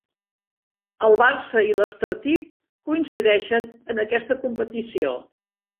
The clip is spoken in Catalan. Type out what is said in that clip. El Barça i l'Estartit coincideixen en aquesta competició.